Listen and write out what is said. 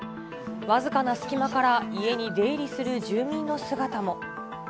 僅かな隙間から家に出入りする住民の姿も。